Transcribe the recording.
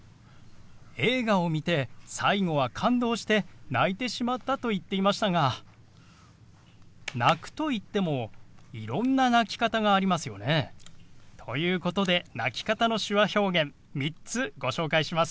映画を見て最後は感動して泣いてしまったと言ってましたが泣くといってもいろんな泣き方がありますよね。ということで泣き方の手話表現３つご紹介します。